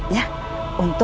aku siap ngebantu